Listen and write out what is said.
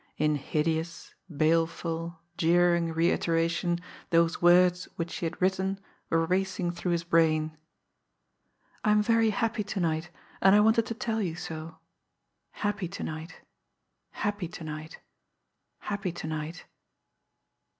In hideous, baleful, jeering reiteration those words which she had written were racing through his brain. "I am very happy to night, and I wanted to tell you so ... happy to night ... happy to night ... happy to night."